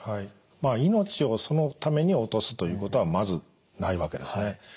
まあ命をそのために落とすということはまずないわけですね。